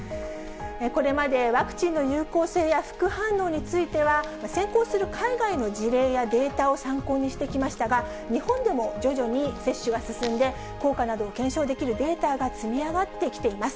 これまでワクチンの有効性や副反応については、先行する海外の事例やデータを参考にしてきましたが、日本でも徐々に接種が進んで、効果などを検証できるデータが積み上がってきています。